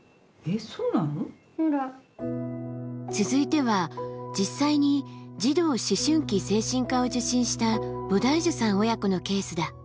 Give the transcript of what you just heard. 続いては実際に児童・思春期精神科を受診したボダイジュさん親子のケースだ。